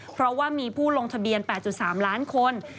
เพราะว่ามีผู้ลงทะเบียน๘๓ล้านคน